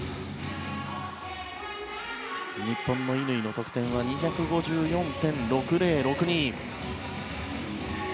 日本の乾の得点は２５４．６０６２。